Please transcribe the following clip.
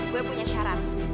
gue punya syarat